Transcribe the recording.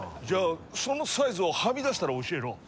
じゃあそのサイズをはみ出したら教えろ。